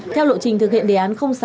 theo lộ trình thực hiện đề án sáu